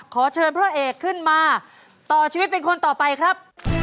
ขอเชิญพระเอกขึ้นมาต่อชีวิตเป็นคนต่อไปครับ